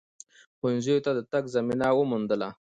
ښونځیو ته د تگ زمینه وموندله